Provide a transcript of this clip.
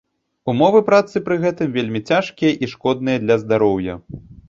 Умовы працы пры гэтым вельмі цяжкія і шкодныя для здароўя.